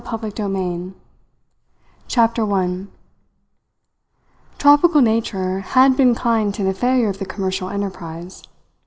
PART THREE CHAPTER ONE Tropical nature had been kind to the failure of the commercial enterprise.